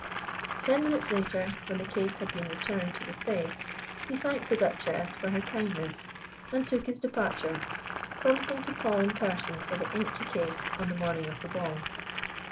Ten minutes later, when the case had been returned to the safe, he thanked the Duchess for her kindness and took his departure, promising to call in person for the empty case on the morning of the ball.